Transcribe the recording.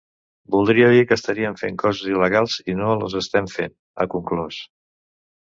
Voldria dir que estaríem fent coses il·legals, i no les estem fent, ha conclòs.